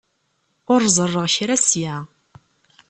Ur ẓerreɣ kra ssya.